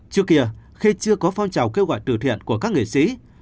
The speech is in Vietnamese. trước kia khi chưa có phong trào kêu gọi từ thiện của các nghệ sĩ